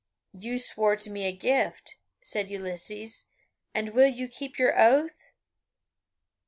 "You swore to give me a gift," said Ulysses, "and will you keep your oath?"